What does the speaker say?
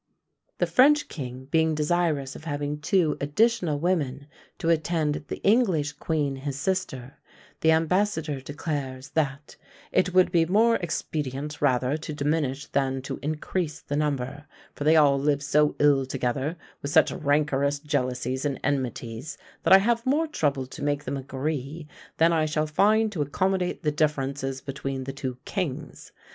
The French king being desirous of having two additional women to attend the English queen his sister, the ambassador declares, that "it would be more expedient rather to diminish than to increase the number; for they all live so ill together, with such rancorous jealousies and enmities, that I have more trouble to make them agree than I shall find to accommodate the differences between the two kings.